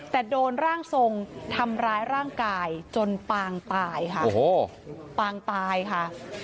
แต่โดนร่างทรงทำร้ายร่างกายจนปางตายค่ะโอ้โหปางตายค่ะ